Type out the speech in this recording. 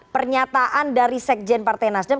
pernyataan dari sekjen partai nasdem